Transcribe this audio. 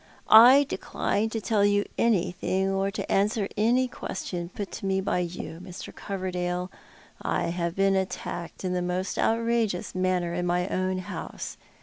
"I decliue to tell anything, or to answer any question put to me by you, ^Ir. Coverdale. I have been attacked in a most outrageous manner in my own house.